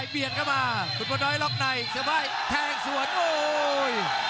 เปลี่ยนเข้ามาคุณพ่อน้อยรอบในสบายแทงส่วนโอ้ย